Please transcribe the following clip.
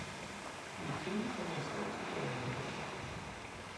Du er tidlig kommet i stadsklæderne i dag!